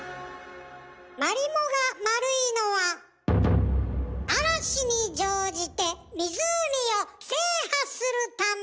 マリモが丸いのは嵐に乗じて湖を制覇するため！